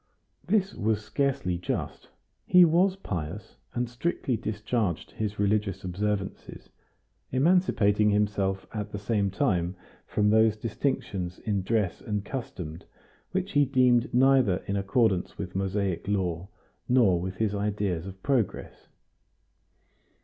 This was scarcely just; he was pious, and strictly discharged his religious observances, emancipating himself at the same time from those distinctions in dress and customs which he deemed neither in accordance with Mosaic law nor with his ideas of progress.